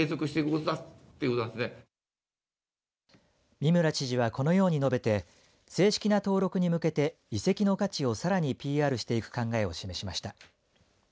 三村知事は、このように述べて正式な登録に向けて遺跡の価値をさらにＰＲしていく考えを示しました。